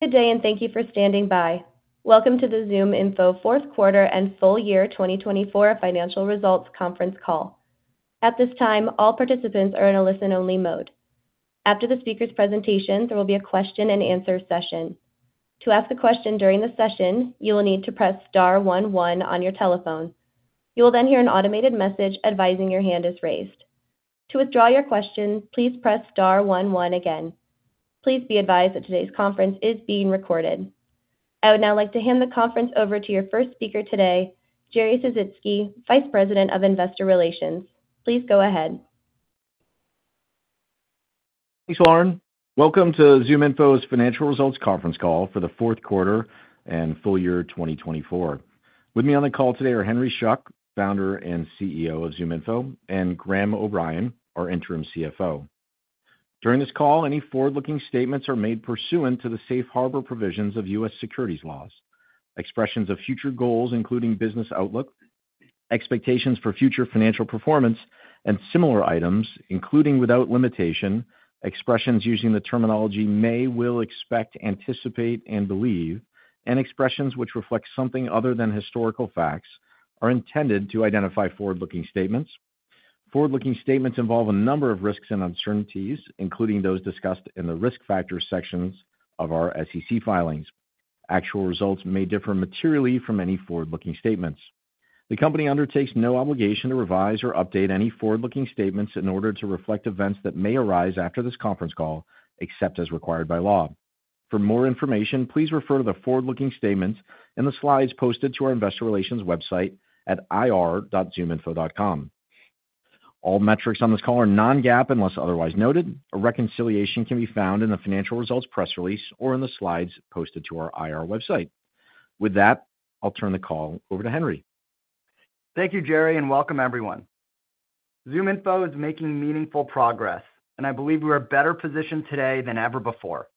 Good day, and thank you for standing by. Welcome to the ZoomInfo Q4 and FY 2024 Financial Results Conference Call. At this time, all participants are in a listen-only mode. After the speaker's presentation, there will be a question-and-answer session. To ask a question during the session, you will need to press star one one on your telephone. You will then hear an automated message advising your hand is raised. To withdraw your question, please press star one one again. Please be advised that today's conference is being recorded. I would now like to hand the conference over to your first speaker today, Jerry Sisitsky, Vice President of Investor Relations. Please go ahead. Thanks, Lauren. Welcome to ZoomInfo's Financial Results Conference Call for Q4 and FY 2024. With me on the call today are Henry Schuck, Founder and CEO of ZoomInfo, and Graham O'Brien, our Interim CFO. During this call, any forward-looking statements are made pursuant to the safe harbor provisions of U.S. securities laws, expressions of future goals including business outlook, expectations for future financial performance, and similar items including without limitation, expressions using the terminology may, will, expect, anticipate, and believe, and expressions which reflect something other than historical facts are intended to identify forward-looking statements. Forward-looking statements involve a number of risks and uncertainties, including those discussed in the risk factors sections of our SEC filings. Actual results may differ materially from any forward-looking statements. The company undertakes no obligation to revise or update any forward-looking statements in order to reflect events that may arise after this conference call, except as required by law. For more information, please refer to the forward-looking statements and the slides posted to our Investor Relations website at ir.zoominfo.com. All metrics on this call are non-GAAP unless otherwise noted. A reconciliation can be found in the financial results press release or in the slides posted to our IR website. With that, I'll turn the call over to Henry. Thank you, Jerry, and welcome, everyone. ZoomInfo is making meaningful progress, and I believe we are better positioned today than ever before.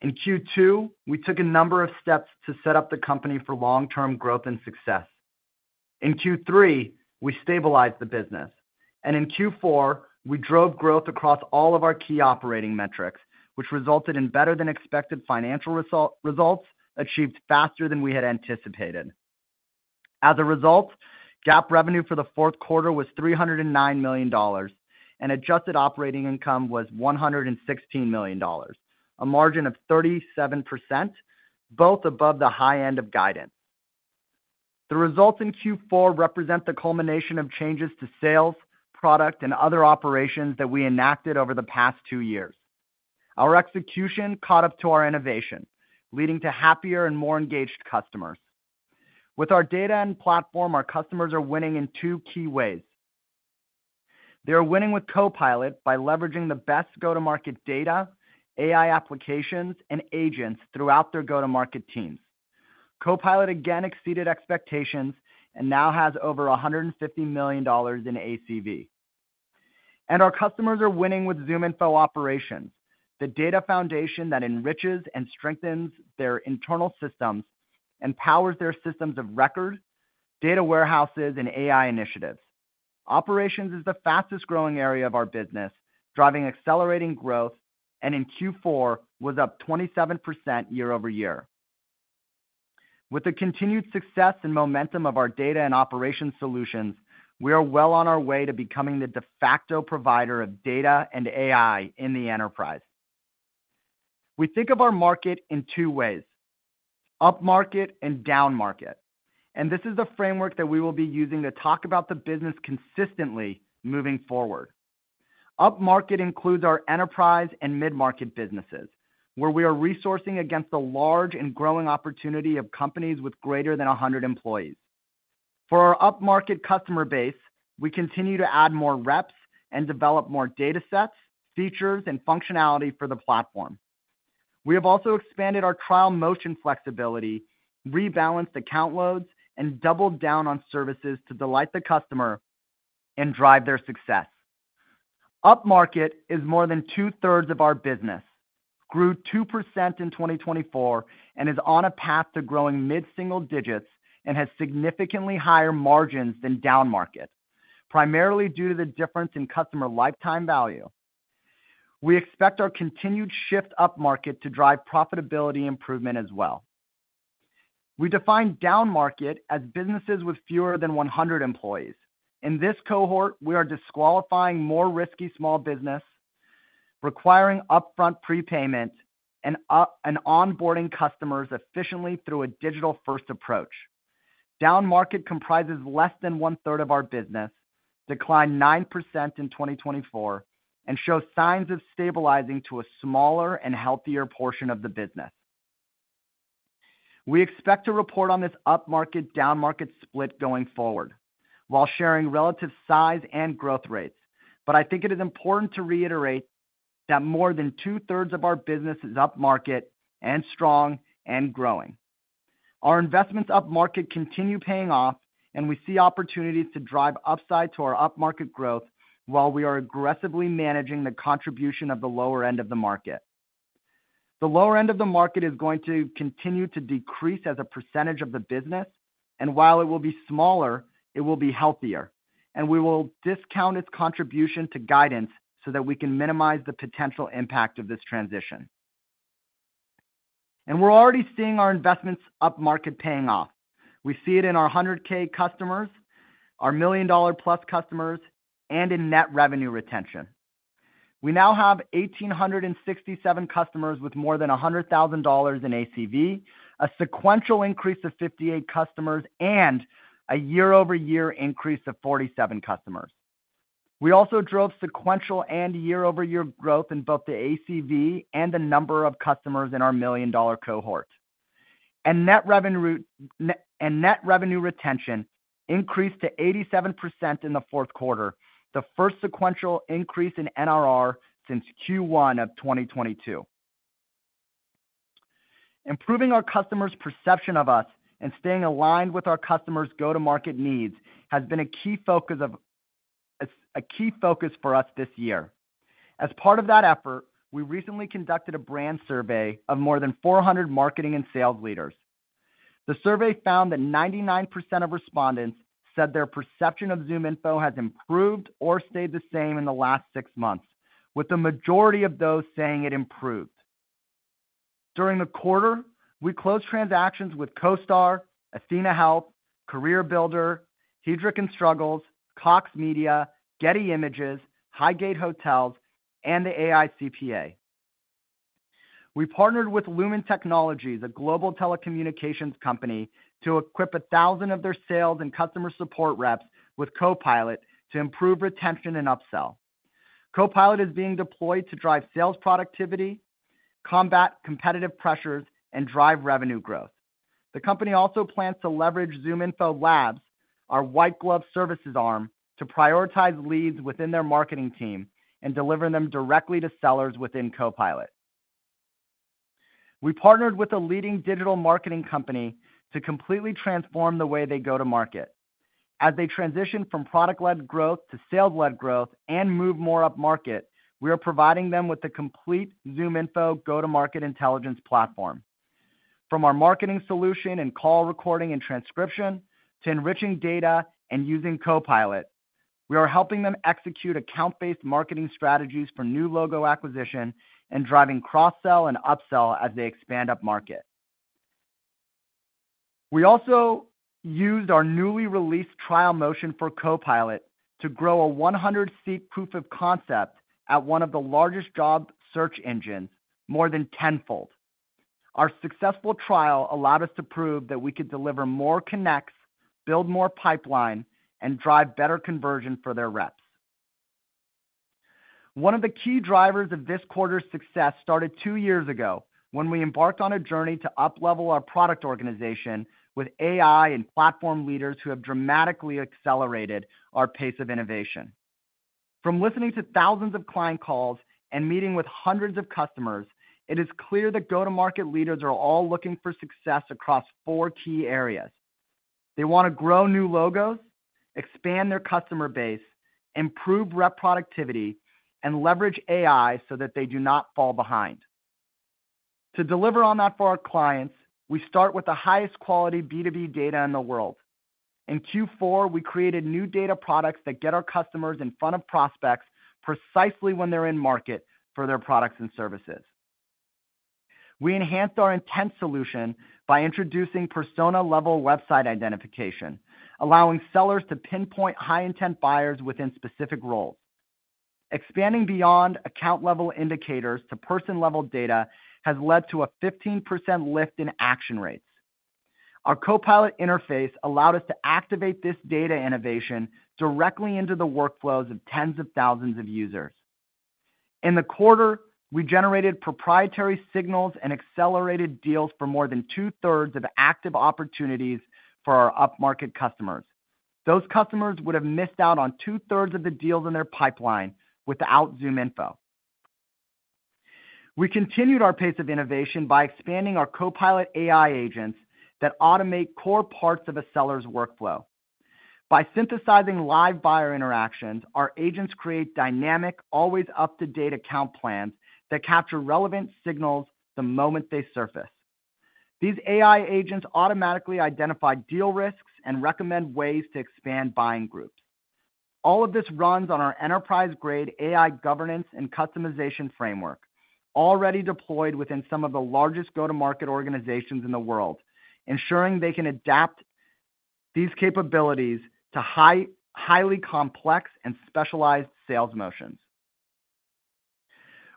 In Q2, we took a number of steps to set up the company for long-term growth and success. In Q3, we stabilized the business. And in Q4, we drove growth across all of our key operating metrics, which resulted in better-than-expected financial results achieved faster than we had anticipated. As a result, GAAP revenue for Q4 was $309 million, and adjusted operating income was $116 million, a margin of 37%, both above the high end of guidance. The results in Q4 represent the culmination of changes to sales, product, and other operations that we enacted over the past two years. Our execution caught up to our innovation, leading to happier and more engaged customers. With our data and platform, our customers are winning in two key ways. They are winning with Copilot by leveraging the best go-to-market data, AI applications, and agents throughout their go-to-market teams. Copilot again exceeded expectations and now has over $150 million in ACV. And our customers are winning with ZoomInfo Operations, the data foundation that enriches and strengthens their internal systems and powers their systems of record, data warehouses, and AI initiatives. Operations is the fastest-growing area of our business, driving accelerating growth, and in Q4 was up 27% year over year. With the continued success and momentum of our data and operations solutions, we are well on our way to becoming the de facto provider of data and AI in the enterprise. We think of our market in two ways: up market and down market. And this is the framework that we will be using to talk about the business consistently moving forward. Up Market includes our enterprise and mid-market businesses, where we are resourcing against the large and growing opportunity of companies with greater than 100 employees. For our Up Market customer base, we continue to add more reps and develop more data sets, features, and functionality for the platform. We have also expanded our trial motion flexibility, rebalanced account loads, and doubled down on services to delight the customer and drive their success. Up Market is more than two-thirds of our business, grew 2% in 2024, and is on a path to growing mid-single digits and has significantly higher margins than Down Market, primarily due to the difference in customer lifetime value. We expect our continued shift Up Market to drive profitability improvement as well. We define Down Market as businesses with fewer than 100 employees. In this cohort, we are disqualifying more risky small business, requiring upfront prepayment and onboarding customers efficiently through a digital-first approach. Down Market comprises less than one-third of our business, declined 9% in 2024, and shows signs of stabilizing to a smaller and healthier portion of the business. We expect to report on this Up Market-Down Market split going forward while sharing relative size and growth rates, but I think it is important to reiterate that more than two-thirds of our business is Up Market and strong and growing. Our investments Up Market continue paying off, and we see opportunities to drive upside to our Up Market growth while we are aggressively managing the contribution of the lower end of the market. The lower end of the market is going to continue to decrease as a percentage of the business, and while it will be smaller, it will be healthier. We will discount its contribution to guidance so that we can minimize the potential impact of this transition. We're already seeing our investments up market paying off. We see it in our 100K customers, our million-dollar-plus customers, and in net revenue retention. We now have 1,867 customers with more than $100,000 in ACV, a sequential increase of 58 customers, and a year-over-year increase of 47 customers. We also drove sequential and year-over-year growth in both the ACV and the number of customers in our million-dollar cohort. Net revenue retention increased to 87% in Q4, the first sequential increase in NRR since Q1 of 2022. Improving our customers' perception of us and staying aligned with our customers' go-to-market needs has been a key focus for us this year. As part of that effort, we recently conducted a brand survey of more than 400 marketing and sales leaders. The survey found that 99% of respondents said their perception of ZoomInfo has improved or stayed the same in the last six months, with the majority of those saying it improved. During the quarter, we closed transactions with CoStar, Athenahealth, CareerBuilder, Heidrick & Struggles, Cox Media, Getty Images, Highgate Hotels, and the AICPA. We partnered with Lumen Technologies, a global telecommunications company, to equip 1,000 of their sales and customer support reps with Copilot to improve retention and upsell. Copilot is being deployed to drive sales productivity, combat competitive pressures, and drive revenue growth. The company also plans to leverage ZoomInfo Labs, our white-glove services arm, to prioritize leads within their marketing team and deliver them directly to sellers within Copilot. We partnered with a leading digital marketing company to completely transform the way they go to market. As they transition from product-led growth to sales-led growth and move more up market, we are providing them with the complete ZoomInfo go-to-market intelligence platform. From our marketing solution and call recording and transcription to enriching data and using Copilot, we are helping them execute account-based marketing strategies for new logo acquisition and driving cross-sell and upsell as they expand up market. We also used our newly released trial motion for Copilot to grow a 100-seat proof of concept at one of the largest job search engines, more than tenfold. Our successful trial allowed us to prove that we could deliver more connects, build more pipeline, and drive better conversion for their reps. One of the key drivers of this quarter's success started two years ago when we embarked on a journey to up-level our product organization with AI and platform leaders who have dramatically accelerated our pace of innovation. From listening to thousands of client calls and meeting with hundreds of customers, it is clear that go-to-market leaders are all looking for success across four key areas. They want to grow new logos, expand their customer base, improve rep productivity, and leverage AI so that they do not fall behind. To deliver on that for our clients, we start with the highest quality B2B data in the world. In Q4, we created new data products that get our customers in front of prospects precisely when they're in market for their products and services. We enhanced our intent solution by introducing persona-level website identification, allowing sellers to pinpoint high-intent buyers within specific roles. Expanding beyond account-level indicators to person-level data has led to a 15% lift in action rates. Our Copilot interface allowed us to activate this data innovation directly into the workflows of tens of thousands of users. In the quarter, we generated proprietary signals and accelerated deals for more than two-thirds of active opportunities for our Up Market customers. Those customers would have missed out on two-thirds of the deals in their pipeline without ZoomInfo. We continued our pace of innovation by expanding our Copilot AI agents that automate core parts of a seller's workflow. By synthesizing live buyer interactions, our agents create dynamic, always-up-to-date account plans that capture relevant signals the moment they surface. These AI agents automatically identify deal risks and recommend ways to expand buying groups. All of this runs on our enterprise-grade AI governance and customization framework, already deployed within some of the largest go-to-market organizations in the world, ensuring they can adapt these capabilities to highly complex and specialized sales motions.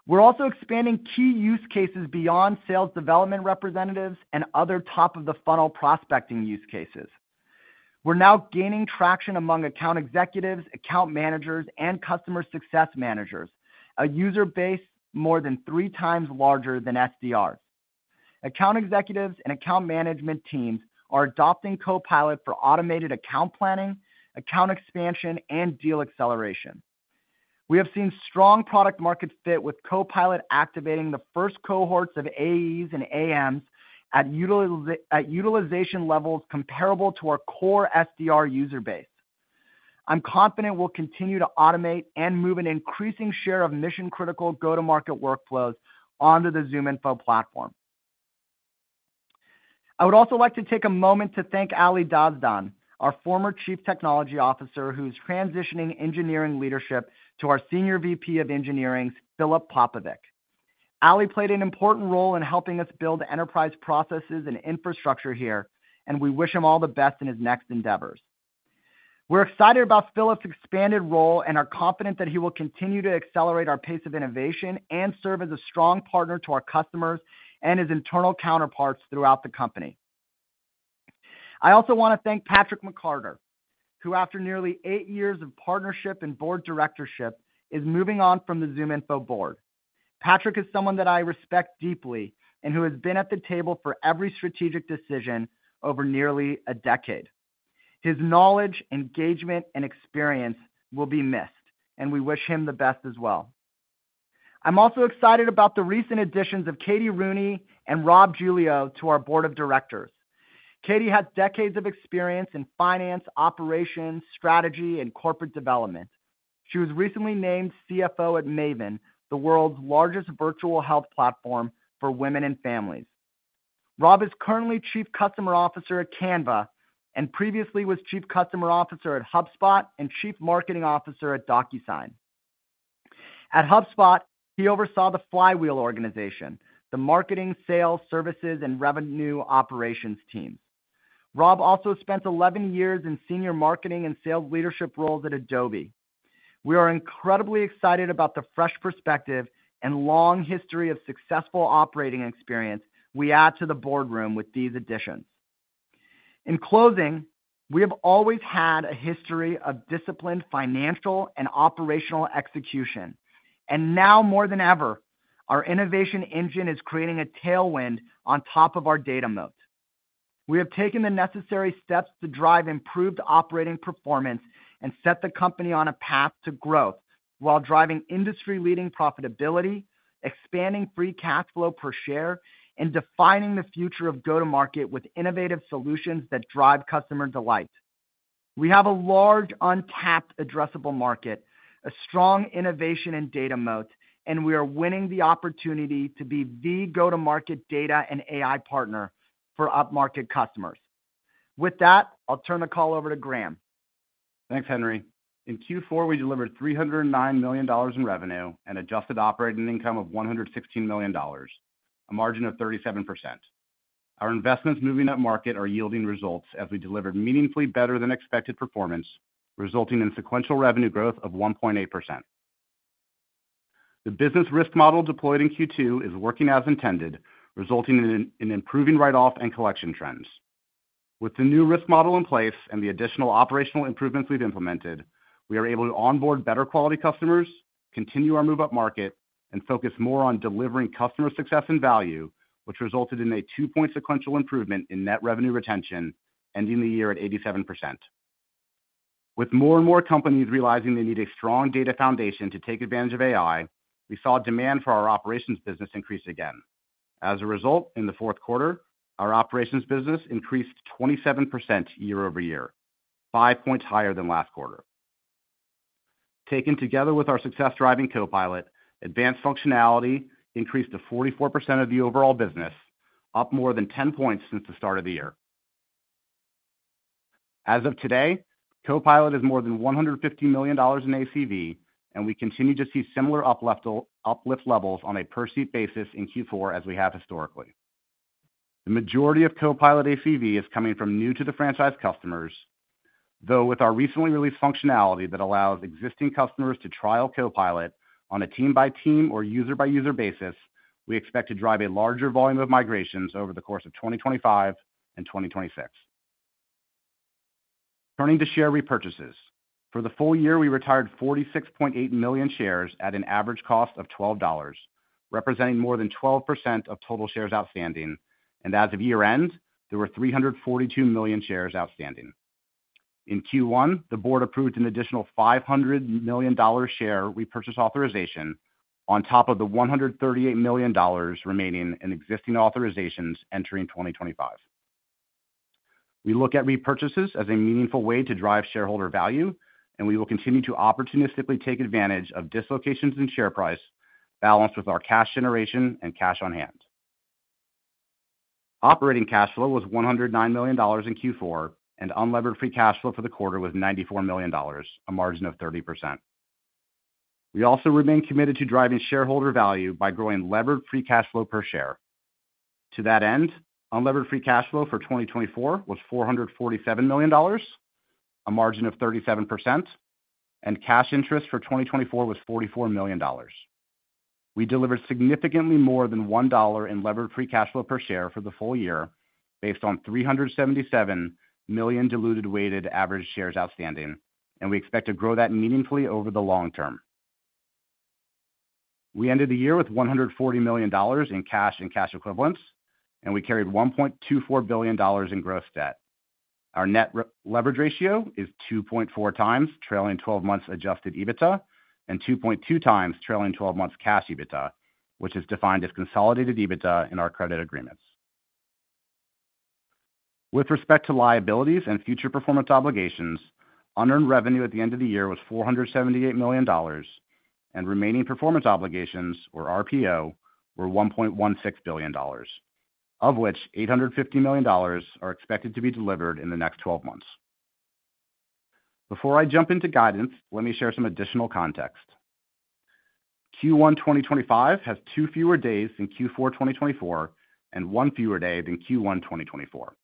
We're also expanding key use cases beyond sales development representatives and other top-of-the-funnel prospecting use cases. We're now gaining traction among account executives, account managers, and customer success managers, a user base more than three times larger than SDRs. Account executives and account management teams are adopting Copilot for automated account planning, account expansion, and deal acceleration. We have seen strong product-market fit with Copilot activating the first cohorts of AEs and AMs at utilization levels comparable to our core SDR user base. I'm confident we'll continue to automate and move an increasing share of mission-critical go-to-market workflows onto the ZoomInfo platform. I would also like to take a moment to thank Ali Dasdan, our former Chief Technology Officer, who is transitioning engineering leadership to our Senior VP of Engineering, Philip Popovic. Ali played an important role in helping us build enterprise processes and infrastructure here, and we wish him all the best in his next endeavors. We're excited about Philip's expanded role and are confident that he will continue to accelerate our pace of innovation and serve as a strong partner to our customers and his internal counterparts throughout the company. I also want to thank Patrick McCarter, who, after nearly eight years of partnership and board directorship, is moving on from the ZoomInfo board. Patrick is someone that I respect deeply and who has been at the table for every strategic decision over nearly a decade. His knowledge, engagement, and experience will be missed, and we wish him the best as well. I'm also excited about the recent additions of Katie Rooney and Rob Giglio to our board of directors. Katie has decades of experience in finance, operations, strategy, and corporate development. She was recently named CFO at Maven, the world's largest virtual health platform for women and families. Rob is currently Chief Customer Officer at Canva and previously was Chief Customer Officer at HubSpot and Chief Marketing Officer at DocuSign. At HubSpot, he oversaw the Flywheel organization, the marketing, sales, services, and revenue operations teams. Rob also spent 11 years in senior marketing and sales leadership roles at Adobe. We are incredibly excited about the fresh perspective and long history of successful operating experience we add to the boardroom with these additions. In closing, we have always had a history of disciplined financial and operational execution. And now, more than ever, our innovation engine is creating a tailwind on top of our data moat. We have taken the necessary steps to drive improved operating performance and set the company on a path to growth while driving industry-leading profitability, expanding free cash flow per share, and defining the future of go-to-market with innovative solutions that drive customer delight. We have a large, untapped, addressable market, a strong innovation and data moat, and we are winning the opportunity to be the go-to-market data and AI partner for up-market customers. With that, I'll turn the call over to Graham. Thanks, Henry. In Q4, we delivered $309 million in revenue and adjusted operating income of $116 million, a margin of 37%. Our investments moving up market are yielding results as we delivered meaningfully better-than-expected performance, resulting in sequential revenue growth of 1.8%. The business risk model deployed in Q2 is working as intended, resulting in improving write-off and collection trends. With the new risk model in place and the additional operational improvements we've implemented, we are able to onboard better-quality customers, continue our move-up market, and focus more on delivering customer success and value, which resulted in a two-point sequential improvement in net revenue retention, ending the year at 87%. With more and more companies realizing they need a strong data foundation to take advantage of AI, we saw demand for our operations business increase again. As a result, in the fourth quarter, our operations business increased 27% year-over-year, five points higher than last quarter. Taken together with our success-driving Copilot, advanced functionality increased to 44% of the overall business, up more than 10 points since the start of the year. As of today, Copilot is more than $150 million in ACV, and we continue to see similar uplift levels on a per-seat basis in Q4 as we have historically. The majority of Copilot ACV is coming from new-to-the-franchise customers, though with our recently released functionality that allows existing customers to trial Copilot on a team-by-team or user-by-user basis, we expect to drive a larger volume of migrations over the course of 2025 and 2026. Turning to share repurchases, for the full year, we retired 46.8 million shares at an average cost of $12, representing more than 12% of total shares outstanding. As of year-end, there were 342 million shares outstanding. In Q1, the board approved an additional $500 million share repurchase authorization on top of the $138 million remaining in existing authorizations entering 2025. We look at repurchases as a meaningful way to drive shareholder value, and we will continue to opportunistically take advantage of dislocations in share price balanced with our cash generation and cash on hand. Operating cash flow was $109 million in Q4, and unlevered free cash flow for the quarter was $94 million, a margin of 30%. We also remain committed to driving shareholder value by growing levered free cash flow per share. To that end, unlevered free cash flow for 2024 was $447 million, a margin of 37%, and cash interest for 2024 was $44 million. We delivered significantly more than $1 in levered free cash flow per share for the full year based on 377 million diluted-weighted average shares outstanding, and we expect to grow that meaningfully over the long term. We ended the year with $140 million in cash and cash equivalents, and we carried $1.24 billion in gross debt. Our net leverage ratio is 2.4x trailing 12 months adjusted EBITDA and 2.2x trailing 12 months cash EBITDA, which is defined as consolidated EBITDA in our credit agreements. With respect to liabilities and future performance obligations, unearned revenue at the end of the year was $478 million, and remaining performance obligations, or RPO, were $1.16 billion, of which $850 million are expected to be delivered in the next 12 months. Before I jump into guidance, let me share some additional context. Q1 2025 has two fewer days than Q4 2024 and one fewer day than Q1 2024,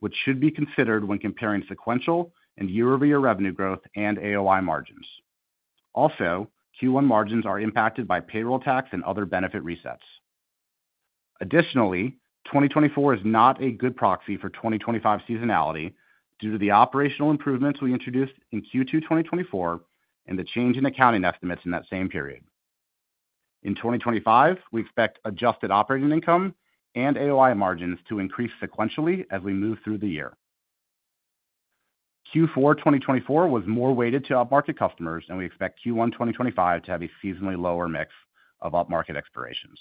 which should be considered when comparing sequential and year-over-year revenue growth and AOI margins. Also, Q1 margins are impacted by payroll tax and other benefit resets. Additionally, 2024 is not a good proxy for 2025 seasonality due to the operational improvements we introduced in Q2 2024 and the change in accounting estimates in that same period. In 2025, we expect adjusted operating income and AOI margins to increase sequentially as we move through the year. Q4 2024 was more weighted to up-market customers, and we expect Q1 2025 to have a seasonally lower mix of up-market expirations.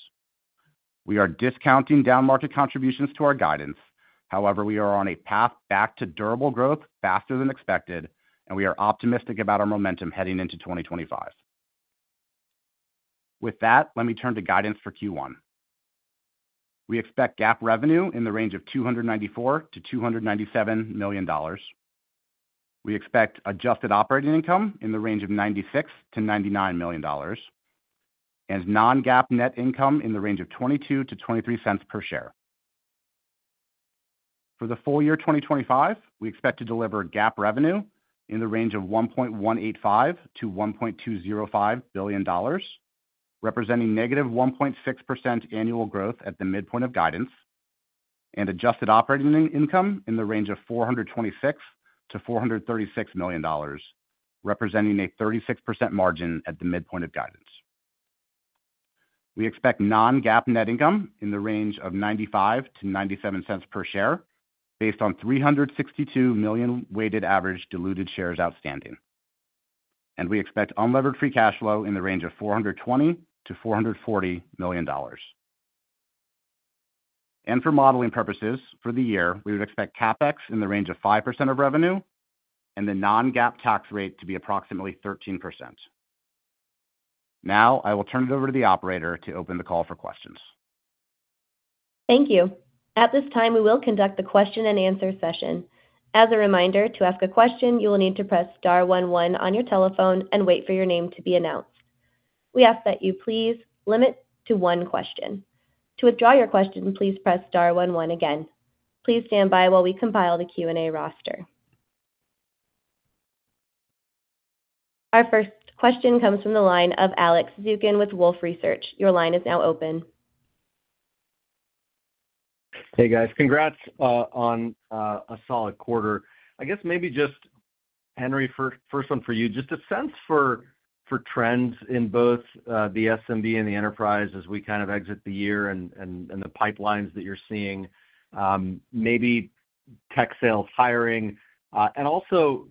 We are discounting down-market contributions to our guidance. However, we are on a path back to durable growth faster than expected, and we are optimistic about our momentum heading into 2025. With that, let me turn to guidance for Q1. We expect GAAP revenue in the range of $294 million-$297 million. We expect adjusted operating income in the range of $96 million-$99 million, and non-GAAP net income in the range of $0.22-$0.23 per share. For the full year 2025, we expect to deliver GAAP revenue in the range of $1.185 billion-$1.205 billion, representing negative 1.6% annual growth at the midpoint of guidance, and adjusted operating income in the range of $426 million-$436 million, representing a 36% margin at the midpoint of guidance. We expect non-GAAP net income in the range of $0.95-$0.97 per share based on 362 million weighted average diluted shares outstanding, and we expect unlevered free cash flow in the range of $420 million-$440 million. And for modeling purposes for the year, we would expect CapEx in the range of 5% of revenue, and the non-GAAP tax rate to be approximately 13%. Now, I will turn it over to the operator to open the call for questions. Thank you. At this time, we will conduct the question-and-answer session. As a reminder, to ask a question, you will need to press star one one on your telephone and wait for your name to be announced. We ask that you please limit to one question. To withdraw your question, please press star one one again. Please stand by while we compile the Q&A roster. Our first question comes from the line of Alex Zukin with Wolfe Research. Your line is now open. Hey, guys. Congrats on a solid quarter. I guess maybe just, Henry, first one for you. Just a sense for trends in both the SMB and the enterprise as we kind of exit the year and the pipelines that you're seeing, maybe tech sales, hiring, and also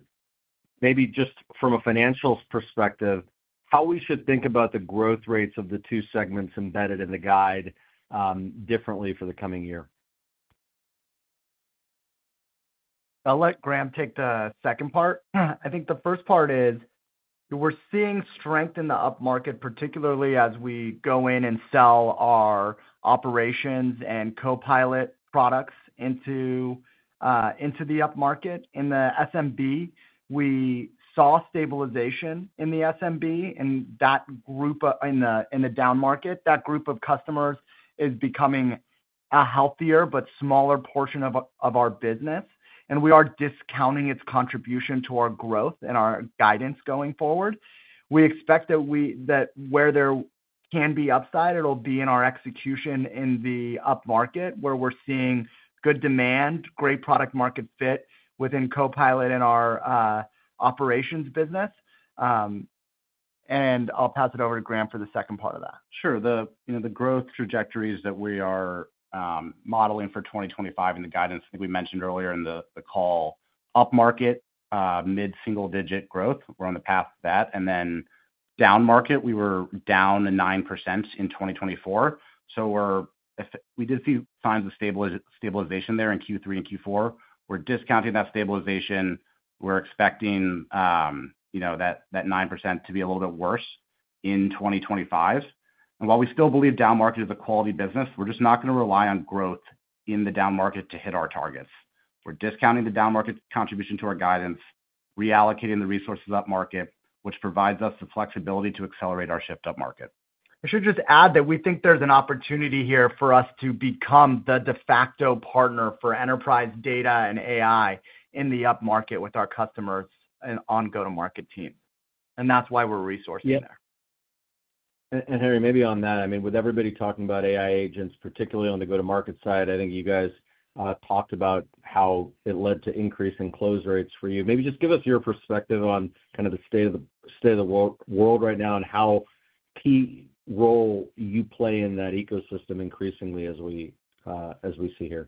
maybe just from a financial perspective, how we should think about the growth rates of the two segments embedded in the guide differently for the coming year. I'll let Graham take the second part. I think the first part is we're seeing strength in the up-market, particularly as we go in and sell our operations and Copilot products into the up-market. In the SMB, we saw stabilization in the SMB, and that group in the down market, that group of customers is becoming a healthier but smaller portion of our business. We are discounting its contribution to our growth and our guidance going forward. We expect that where there can be upside, it'll be in our execution in the up-market where we're seeing good demand, great product-market fit within Copilot in our operations business. I'll pass it over to Graham for the second part of that. Sure. The growth trajectories that we are modeling for 2025 in the guidance, I think we mentioned earlier in the call, up-market, mid-single-digit growth. We're on the path to that. Then down-market, we were down 9% in 2024. So we did see signs of stabilization there in Q3 and Q4. We're discounting that stabilization. We're expecting that 9% to be a little bit worse in 2025. While we still believe down-market is a quality business, we're just not going to rely on growth in the down-market to hit our targets. We're discounting the down-market contribution to our guidance, reallocating the resources up-market, which provides us the flexibility to accelerate our shift up-market. I should just add that we think there's an opportunity here for us to become the de facto partner for enterprise data and AI in the up-market with our customers and go-to-market team. That's why we're resourcing there. Henry, maybe on that, I mean, with everybody talking about AI agents, particularly on the go-to-market side, I think you guys talked about how it led to increase in close rates for you. Maybe just give us your perspective on kind of the state of the world right now and how key role you play in that ecosystem increasingly as we see here?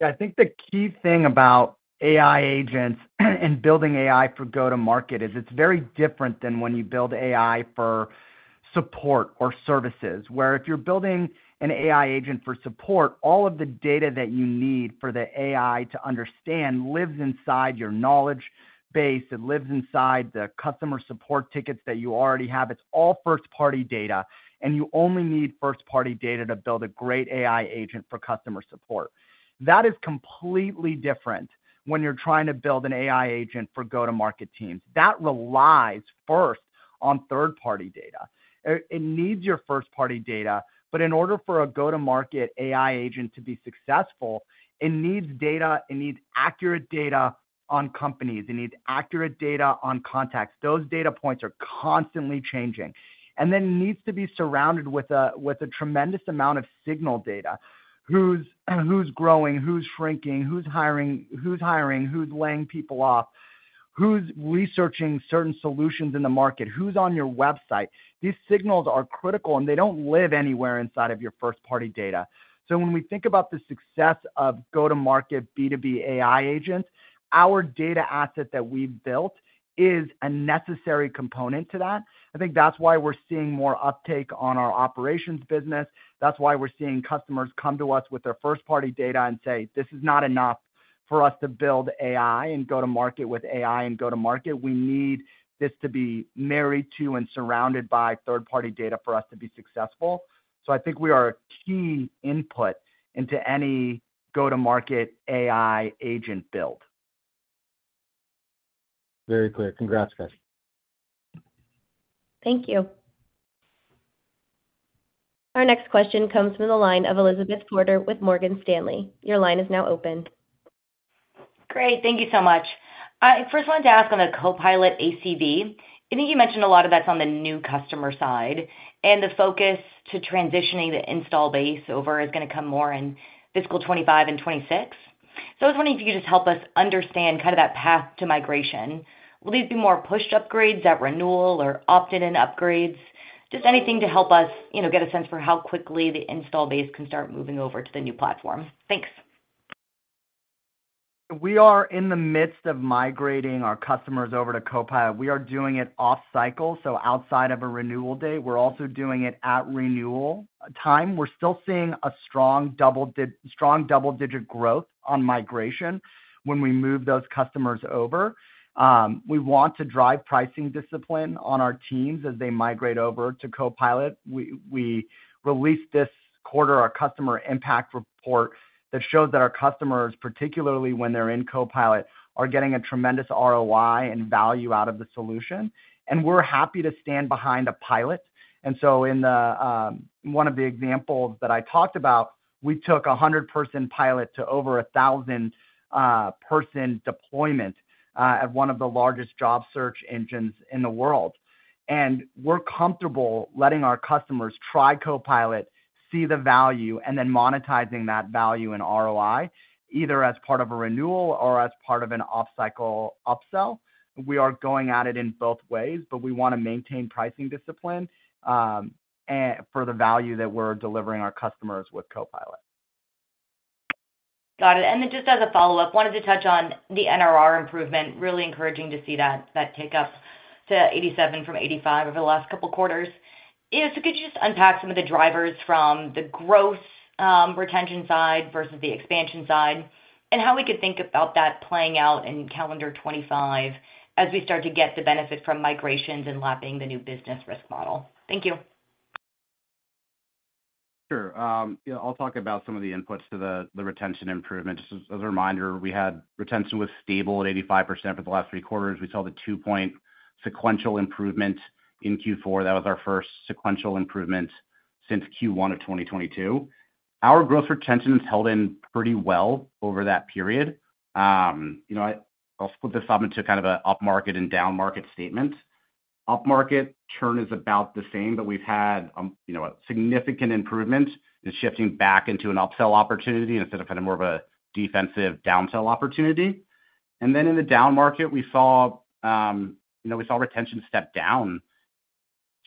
Yeah. I think the key thing about AI agents and building AI for go-to-market is it's very different than when you build AI for support or services. Where if you're building an AI agent for support, all of the data that you need for the AI to understand lives inside your knowledge base. It lives inside the customer support tickets that you already have. It's all first-party data. And you only need first-party data to build a great AI agent for customer support. That is completely different when you're trying to build an AI agent for go-to-market teams. That relies first on third-party data. It needs your first-party data. In order for a go-to-market AI agent to be successful, it needs data. It needs accurate data on companies. It needs accurate data on context. Those data points are constantly changing. And then it needs to be surrounded with a tremendous amount of signal data. Who's growing? Who's shrinking? Who's hiring? Who's laying people off? Who's researching certain solutions in the market? Who's on your website? These signals are critical, and they don't live anywhere inside of your first-party data. So when we think about the success of go-to-market B2B AI agents, our data asset that we built is a necessary component to that. I think that's why we're seeing more uptake on our operations business. That's why we're seeing customers come to us with their first-party data and say, "This is not enough for us to build AI and go-to-market with AI and go-to-market. We need this to be married to and surrounded by third-party data for us to be successful. So I think we are a key input into any go-to-market AI agent build. Very clear. Congrats, guys. Thank you. Our next question comes from the line of Elizabeth Porter with Morgan Stanley. Your line is now open. Great. Thank you so much. First, I wanted to ask on the Copilot ACV. I think you mentioned a lot of that's on the new customer side. And the focus to transitioning the installed base over is going to come more in fiscal 2025 and 2026. So I was wondering if you could just help us understand kind of that path to migration. Will these be more pushed upgrades at renewal or opt-in upgrades? Just anything to help us get a sense for how quickly the install base can start moving over to the new platform. Thanks. We are in the midst of migrating our customers over to Copilot. We are doing it off-cycle, so outside of a renewal date. We're also doing it at renewal time. We're still seeing a strong double-digit growth on migration when we move those customers over. We want to drive pricing discipline on our teams as they migrate over to Copilot. We released this quarter our customer impact report that shows that our customers, particularly when they're in Copilot, are getting a tremendous ROI and value out of the solution, and we're happy to stand behind a pilot. In one of the examples that I talked about, we took a 100-person pilot to over 1,000-person deployment at one of the largest job search engines in the world. We're comfortable letting our customers try Copilot, see the value, and then monetizing that value in ROI, either as part of a renewal or as part of an off-cycle upsell. We are going at it in both ways, but we want to maintain pricing discipline for the value that we're delivering our customers with Copilot. Got it. Just as a follow-up, wanted to touch on the NRR improvement. Really encouraging to see that take up to 87% from 85% over the last couple of quarters. Could you just unpack some of the drivers from the gross retention side versus the expansion side and how we could think about that playing out in calendar 2025 as we start to get the benefit from migrations and lapping the new business risk model? Thank you. Sure. I'll talk about some of the inputs to the retention improvement. As a reminder, we had retention was stable at 85% for the last three quarters. We saw the two-point sequential improvement in Q4. That was our first sequential improvement since Q1 of 2022. Our gross retention has held in pretty well over that period. I'll split this up into kind of an up-market and down-market statement. Up-market churn is about the same, but we've had a significant improvement in shifting back into an upsell opportunity instead of kind of more of a defensive downsell opportunity. In the down market, we saw retention step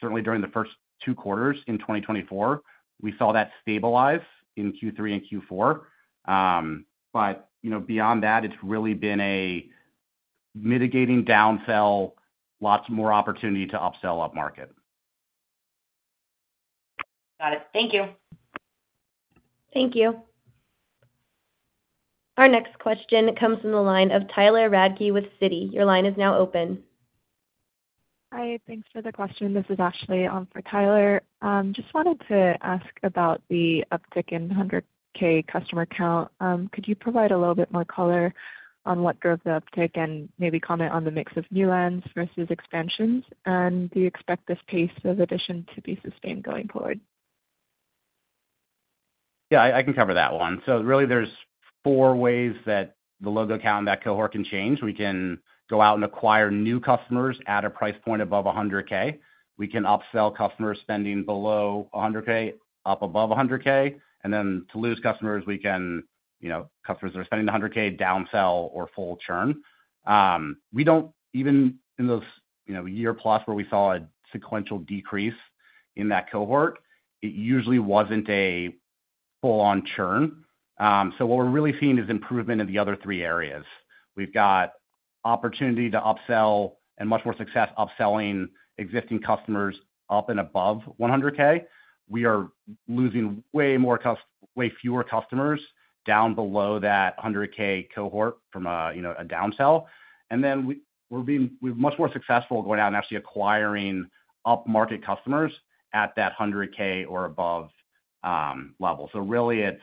down, certainly during the first two quarters in 2024. We saw that stabilize in Q3 and Q4. But beyond that, it's really been a mitigating downsell, lots more opportunity to upsell up-market. Got it. Thank you. Thank you. Our next question comes from the line of Tyler Radke with Citi. Your line is now open. Hi. Thanks for the question. This is Ashley for Tyler. Just wanted to ask about the uptick in 100K customer count. Could you provide a little bit more color on what drove the uptick and maybe comment on the mix of new wins versus expansions? And do you expect this pace of addition to be sustained going forward? Yeah. I can cover that one. So really, there's four ways that the logo count in that cohort can change. We can go out and acquire new customers at a price point above $100K. We can upsell customers spending below $100K up above $100K, and then to lose customers, we can lose customers that are spending $100K by downsell or full churn. We don't even in those year-plus where we saw a sequential decrease in that cohort. It usually wasn't a full-on churn, so what we're really seeing is improvement in the other three areas. We've got opportunity to upsell and much more success upselling existing customers up and above $100K. We are losing way fewer customers down below that $100K cohort from a downsell, and then we're much more successful going out and actually acquiring up-market customers at that $100K or above level, so really, it's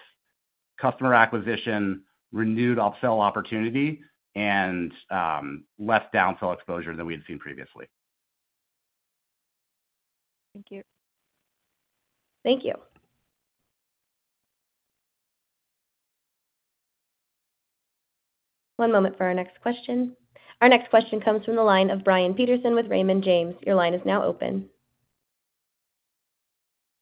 customer acquisition, renewed upsell opportunity, and less downsell exposure than we had seen previously. Thank you. Thank you. One moment for our next question. Our next question comes from the line of Brian Peterson with Raymond James. Your line is now open.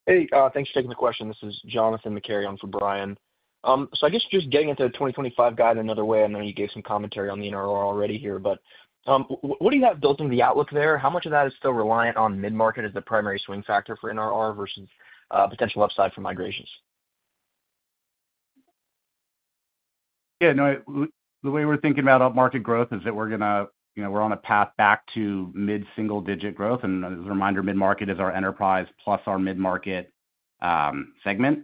Hey. Thanks for taking the question. This is Johnathan McCary. I'm from Brian. So I guess just getting into the 2025 guide in another way. I know you gave some commentary on the NRR already here, but what do you have built in the outlook there? How much of that is still reliant on mid-market as the primary swing factor for NRR versus potential upside for migrations? Yeah. No. The way we're thinking about up-market growth is that we're on a path back to mid-single-digit growth. And as a reminder, mid-market is our enterprise plus our mid-market segment.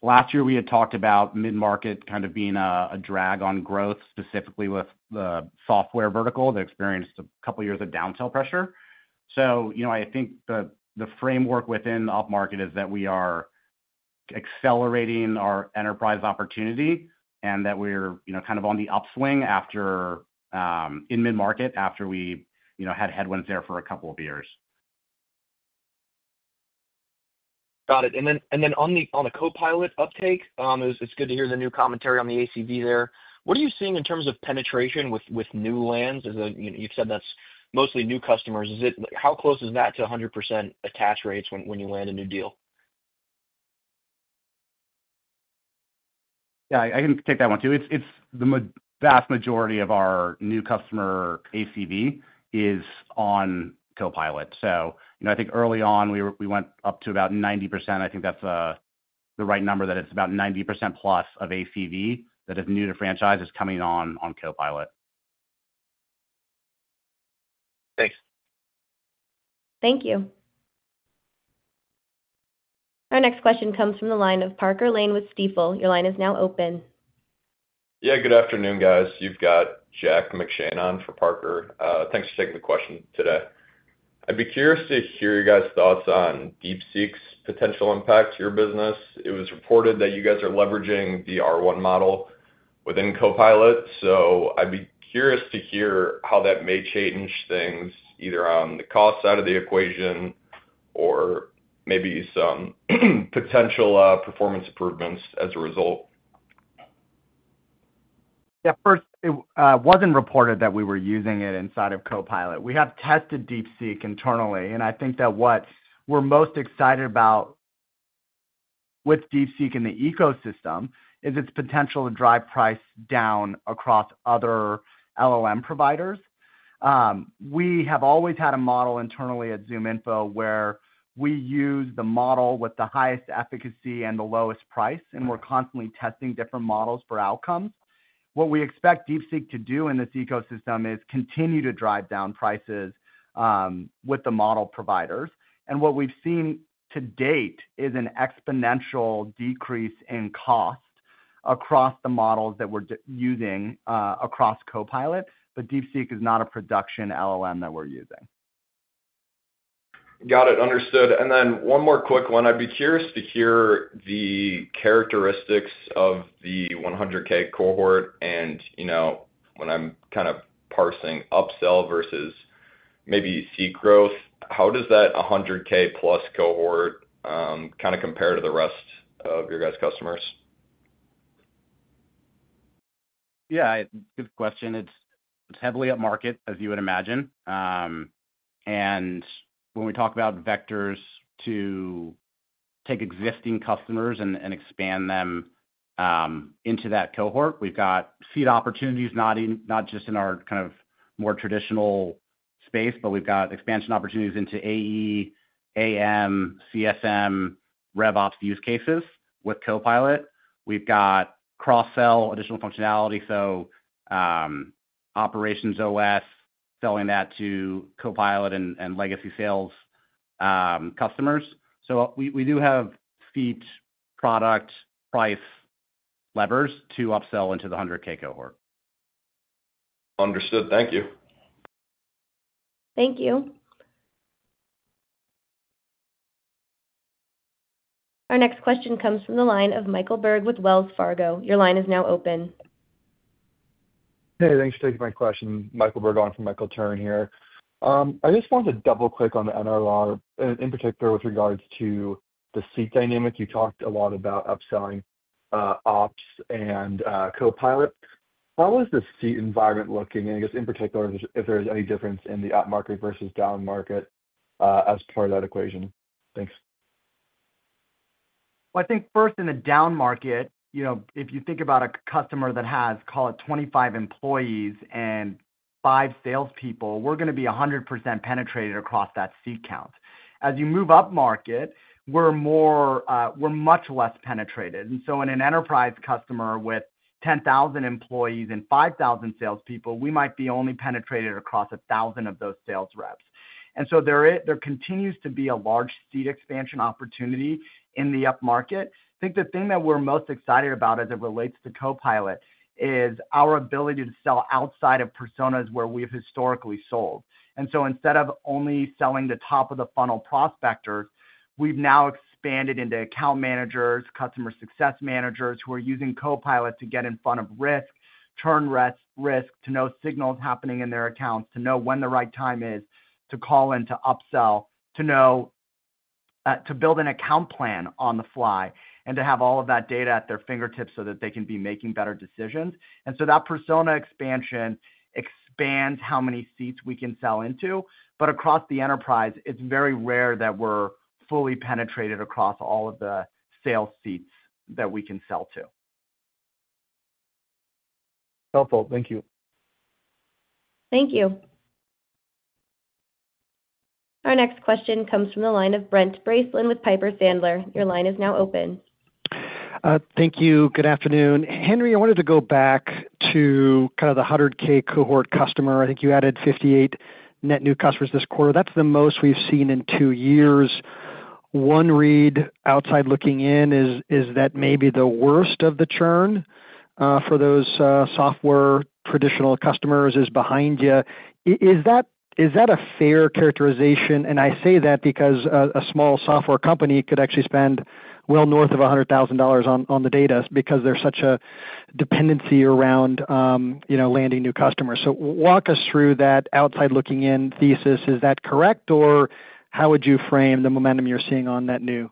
Last year, we had talked about mid-market kind of being a drag on growth, specifically with the software vertical that experienced a couple of years of downsell pressure. So I think the framework within Up Market is that we are accelerating our enterprise opportunity and that we're kind of on the upswing in Mid-Market after we had headwinds there for a couple of years. Got it. And then on the Copilot uptake, it's good to hear the new commentary on the ACV there. What are you seeing in terms of penetration with new lands? You've said that's mostly new customers. How close is that to 100% attach rates when you land a new deal? Yeah. I can take that one too. The vast majority of our new customer ACV is on Copilot. So I think early on, we went up to about 90%. I think that's the right number that it's about 90% plus of ACV that is new to franchises coming on Copilot. Thanks. Thank you. Our next question comes from the line of Parker Lane with Stifel. Your line is now open. Yeah. Good afternoon, guys. You've got Jack McShane on for Parker. Thanks for taking the question today. I'd be curious to hear your guys' thoughts on DeepSeek's potential impact to your business. It was reported that you guys are leveraging the R1 model within Copilot. So I'd be curious to hear how that may change things either on the cost side of the equation or maybe some potential performance improvements as a result. Yeah. First, it wasn't reported that we were using it inside of Copilot. We have tested DeepSeek internally, and I think that what we're most excited about with DeepSeek in the ecosystem is its potential to drive price down across other LLM providers. We have always had a model internally at ZoomInfo where we use the model with the highest efficacy and the lowest price. We're constantly testing different models for outcomes. What we expect DeepSeek to do in this ecosystem is continue to drive down prices with the model providers. And what we've seen to date is an exponential decrease in cost across the models that we're using across Copilot. But DeepSeek is not a production LLM that we're using. Got it. Understood. And then one more quick one. I'd be curious to hear the characteristics of the 100K cohort. And when I'm kind of parsing upsell versus maybe new growth, how does that 100K-plus cohort kind of compare to the rest of your guys' customers? Yeah. It's a good question. It's heavily up-market, as you would imagine. And when we talk about vectors to take existing customers and expand them into that cohort, we've got seed opportunities not just in our kind of more traditional space, but we've got expansion opportunities into AE, AM, CSM, RevOps use cases with Copilot. We've got cross-sell additional functionality, so Operations OS, selling that to Copilot and legacy sales customers. So we do have seat, product, price levers to upsell into the 100K cohort. Understood. Thank you. Thank you. Our next question comes from the line of Michael Berg with Wells Fargo. Your line is now open. Hey. Thanks for taking my question. Michael Berg on for Michael Turrin here. I just wanted to double-click on the NRR in particular with regards to the seat dynamic. You talked a lot about upselling ops and Copilot. How is the seat environment looking? And I guess in particular, if there's any difference in the up-market versus down-market as part of that equation. Thanks. Well, I think first in the down market, if you think about a customer that has, call it, 25 employees and five salespeople, we're going to be 100% penetrated across that seat count. As you move up market, we're much less penetrated. And so in an enterprise customer with 10,000 employees and 5,000 salespeople, we might be only penetrated across 1,000 of those sales reps. And so there continues to be a large seat expansion opportunity in the up-market. I think the thing that we're most excited about as it relates to Copilot is our ability to sell outside of personas where we've historically sold. And so, instead of only selling the top of the funnel prospectors, we've now expanded into account managers, customer success managers who are using Copilot to get in front of risk, churn risk, to know signals happening in their accounts, to know when the right time is to call in to upsell, to build an account plan on the fly, and to have all of that data at their fingertips so that they can be making better decisions. And so that persona expansion expands how many seats we can sell into. But across the enterprise, it's very rare that we're fully penetrated across all of the sales seats that we can sell to. Helpful. Thank you. Thank you. Our next question comes from the line of Brent Bracelin with Piper Sandler. Your line is now open. Thank you. Good afternoon. Henry, I wanted to go back to kind of the 100K cohort customer. I think you added 58 net new customers this quarter. That's the most we've seen in two years. One read, outside looking in, is that maybe the worst of the churn for those software traditional customers is behind you. Is that a fair characterization? And I say that because a small software company could actually spend well north of $100,000 on the data because there's such a dependency around landing new customers. So walk us through that outside-looking-in thesis. Is that correct? Or how would you frame the momentum you're seeing on that new?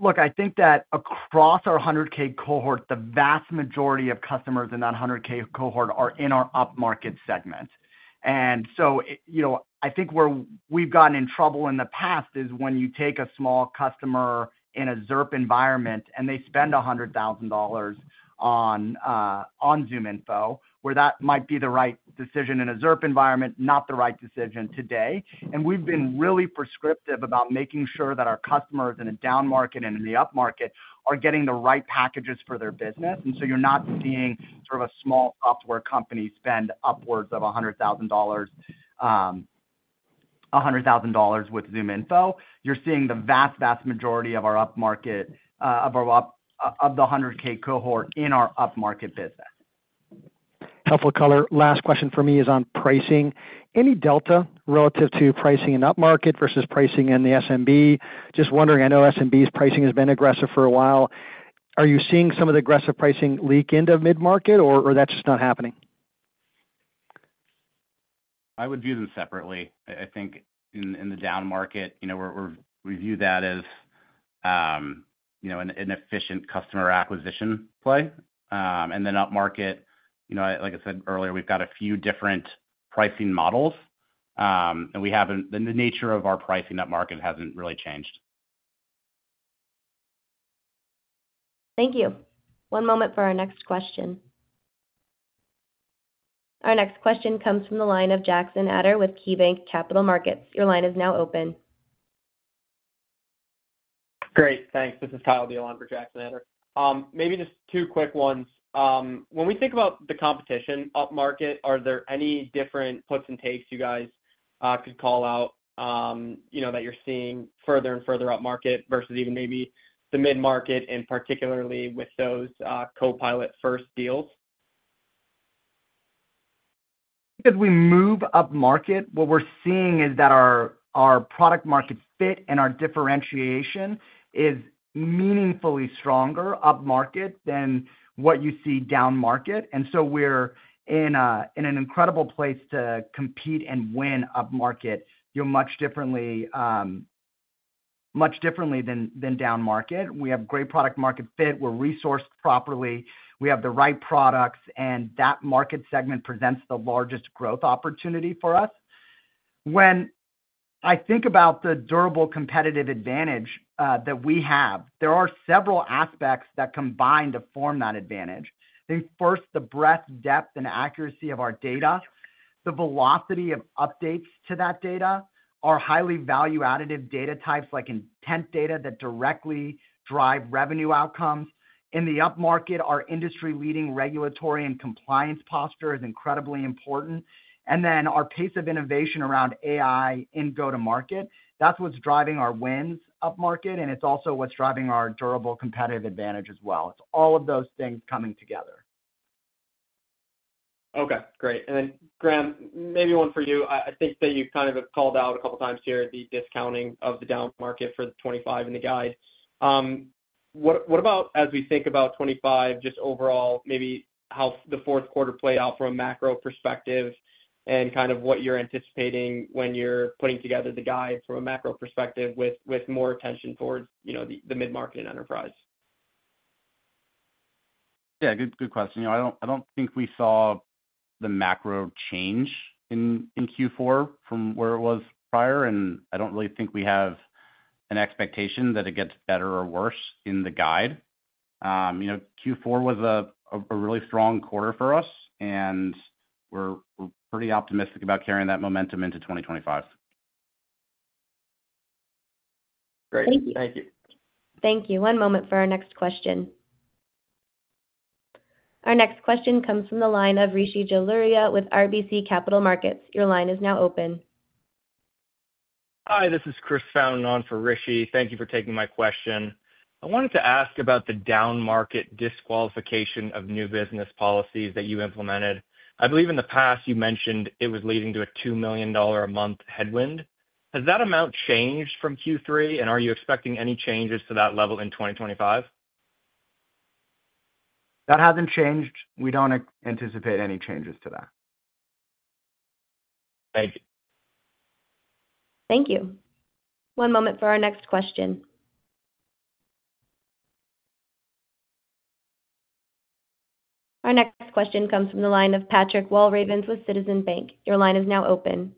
Look, I think that across our 100K cohort, the vast majority of customers in that 100K cohort are in our up-market segment. And so I think where we've gotten in trouble in the past is when you take a small customer in a ZIRP environment and they spend $100,000 on ZoomInfo, where that might be the right decision in a ZIRP environment, not the right decision today. And we've been really prescriptive about making sure that our customers in the down market and in the up market are getting the right packages for their business. And so you're not seeing sort of a small software company spend upwards of $100,000 with ZoomInfo. You're seeing the vast, vast majority of our up-market of the 100K cohort in our up-market business. Helpful color. Last question for me is on pricing. Any delta relative to pricing in up-market versus pricing in the SMB? Just wondering. I know SMB's pricing has been aggressive for a while. Are you seeing some of the aggressive pricing leak into mid-market, or that's just not happening? I would view them separately. I think in the down market, we view that as an efficient customer acquisition play. And then up market, like I said earlier, we've got a few different pricing models. And the nature of our pricing up market hasn't really changed. Thank you. One moment for our next question. Our next question comes from the line of Jackson Ader with KeyBanc Capital Markets. Your line is now open. Great. Thanks. This is Kyle Diehl for Jackson Ader. Maybe just two quick ones. When we think about the competition up market, are there any different puts and takes you guys could call out that you're seeing further and further up market versus even maybe the mid-market, and particularly with those Copilot-first deals? As we move up market, what we're seeing is that our product-market fit and our differentiation is meaningfully stronger up market than what you see down market, and so we're in an incredible place to compete and win up market. You're much differently than down market. We have great product-market fit. We're resourced properly. We have the right products, and that market segment presents the largest growth opportunity for us. When I think about the durable competitive advantage that we have, there are several aspects that combine to form that advantage. I think first, the breadth, depth, and accuracy of our data. The velocity of updates to that data are highly value-additive data types like intent data that directly drive revenue outcomes. In the up market, our industry-leading regulatory and compliance posture is incredibly important. And then our pace of innovation around AI in go-to-market, that's what's driving our wins up market. And it's also what's driving our durable competitive advantage as well. It's all of those things coming together. Okay. Great. And then, Graham, maybe one for you. I think that you kind of have called out a couple of times here the discounting of the down market for the 2025 in the guide. What about as we think about 2025, just overall, maybe how the fourth quarter played out from a macro perspective and kind of what you're anticipating when you're putting together the guide from a macro perspective with more attention towards the mid-market and enterprise? Yeah. Good question. I don't think we saw the macro change in Q4 from where it was prior. And I don't really think we have an expectation that it gets better or worse in the guide. Q4 was a really strong quarter for us, and we're pretty optimistic about carrying that momentum into 2025. Great. Thank you. Thank you. One moment for our next question. Our next question comes from the line of Rishi Jaluria with RBC Capital Markets. Your line is now open. Hi. This is Chris Folan on for Rishi. Thank you for taking my question. I wanted to ask about the Down Market disqualification of new business policies that you implemented. I believe in the past, you mentioned it was leading to a $2 million a month headwind. Has that amount changed from Q3? And are you expecting any changes to that level in 2025? That hasn't changed. We don't anticipate any changes to that. Thank you. Thank you. One moment for our next question. Our next question comes from the line of Patrick Walravens with Citizens Bank. Your line is now open.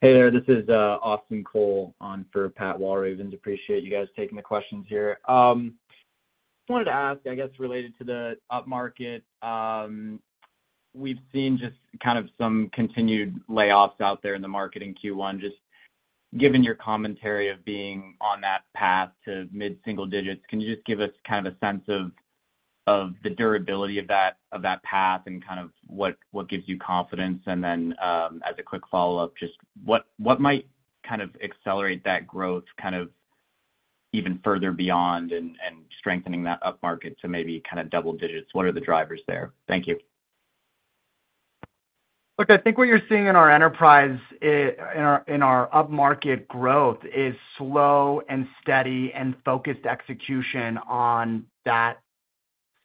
Hey there. This is Austin Cole on for Pat Walravens. Appreciate you guys taking the questions here. I wanted to ask, I guess, related to the up market, we've seen just kind of some continued layoffs out there in the market in Q1. Just given your commentary of being on that path to mid-single digits, can you just give us kind of a sense of the durability of that path and kind of what gives you confidence? And then as a quick follow-up, just what might kind of accelerate that growth kind of even further beyond and strengthening that up market to maybe kind of double digits? What are the drivers there? Thank you. Look, I think what you're seeing in our enterprise, in our up market growth, is slow and steady and focused execution on that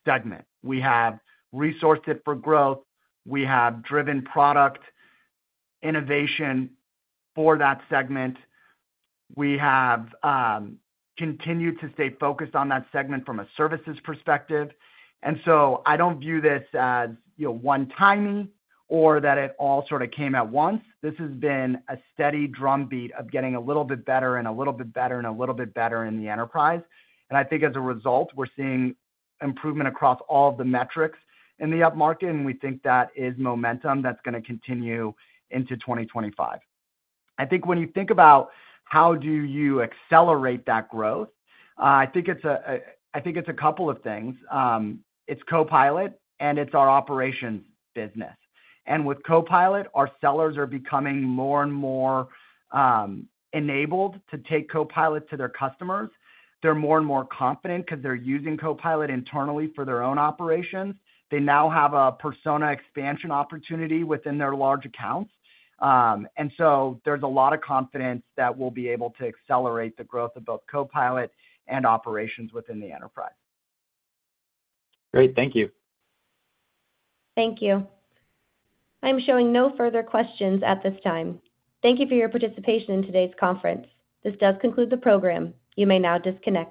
segment. We have resourced it for growth. We have driven product innovation for that segment. We have continued to stay focused on that segment from a services perspective and so I don't view this as one-timey or that it all sort of came at once. This has been a steady drumbeat of getting a little bit better and a little bit better and a little bit better in the enterprise and I think as a result, we're seeing improvement across all of the metrics in the Up Market. And we think that is momentum that's going to continue into 2025. I think when you think about how do you accelerate that growth, I think it's a couple of things. It's Copilot. And it's our operations business. And with Copilot, our sellers are becoming more and more enabled to take Copilot to their customers. They're more and more confident because they're using Copilot internally for their own operations. They now have a persona expansion opportunity within their large accounts, and so there's a lot of confidence that we'll be able to accelerate the growth of both Copilot and operations within the enterprise. Great. Thank you. Thank you. I'm showing no further questions at this time. Thank you for your participation in today's conference. This does conclude the program. You may now disconnect.